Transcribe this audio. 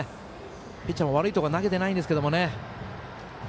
ピッチャーも悪いところ投げてないんですけどね。